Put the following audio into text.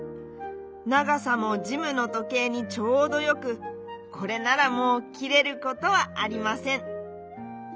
ながさもジムのとけいにちょうどよくこれならもうきれることはありません。